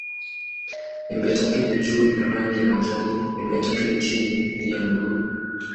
Pembetatu ya juu ina rangi ya majani, pembetatu ya chini ni ya buluu.